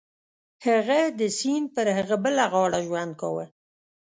هغه د سیند پر هغه بله غاړه ژوند کاوه.